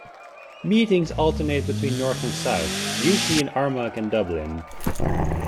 Meetings alternate between north and south, usually in Armagh and Dublin.